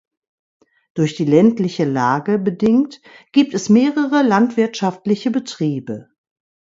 Durch die ländliche Lage bedingt gibt es mehrere landwirtschaftliche Betriebe.